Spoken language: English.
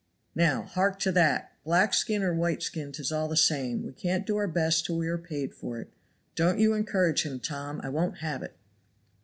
"Now hark to that! black skin or white skin 'tis all the same; we can't do our best till we are paid for it. Don't you encourage him, Tom, I won't have it."